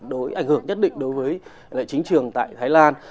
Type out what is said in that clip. đối với ảnh hưởng nhất định đối với lại chính trường tại thái lan